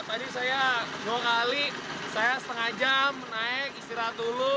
tadi saya dua kali saya setengah jam naik istirahat dulu